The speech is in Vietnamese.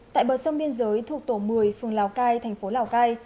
tại bờ sông biên giới thuộc tổ một mươi phường lào cai thành phố lào cai